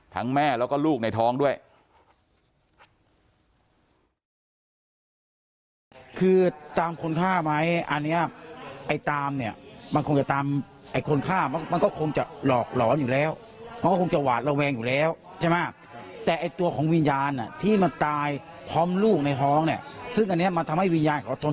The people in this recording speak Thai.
แม่แล้วก็ลูกในท้องด้วย